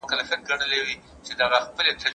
هغه مهال چې ښوونه دوام ولري، پرمختګ نه درېږي.